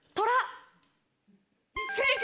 正解！